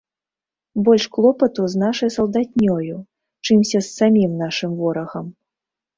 Больш клопату з нашай салдатнёю, чымся з самім нашым ворагам.